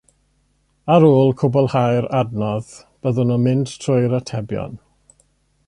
Ar ôl cwblhau'r adnodd, byddwn yn mynd trwy'r atebion